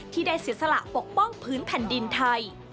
ที่ได้เสียสละปกป้องพื้นแผ่นดินไทย